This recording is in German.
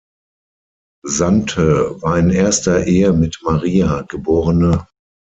Sante war in erster Ehe mit Maria geb.